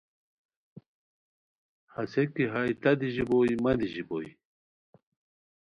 ہسے کی ہائے تہ دی ژیبوئے مہ دی ژیبوئے